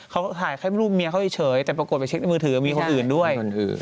เขาถ่ายแค่รูปเมียเขาเฉยแต่ปรากฏไปเช็คในมือถือมีคนอื่นด้วย